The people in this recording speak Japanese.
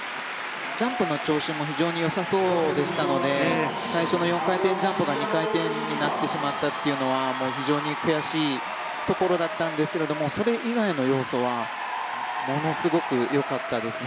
ジャンプの調子も非常によさそうでしたので最初の４回転ジャンプが２回転になってしまったのは非常に悔しいところだったんですがそれ以外の要素はものすごくよかったです。